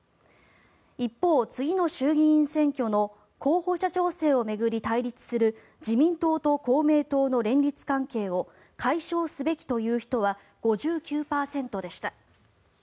一方、次の衆議院選挙の候補者調整を巡り対立する自民党と公明党の連立関係を解消すべきという人は５９％でした。